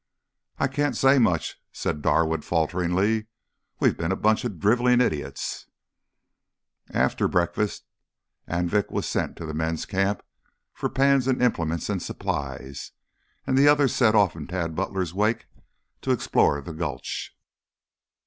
"I can't say much," said Darwood falteringly. "We've been a bunch of driveling idiots." After breakfast Anvik was sent to the men's camp for pans and implements and supplies, and the others set off in Tad Butler's wake to explore the gulch.